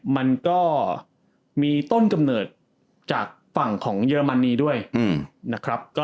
มันก็มีต้นกำเนิดจากฝั่งของเยอรมนีด้วยนะครับ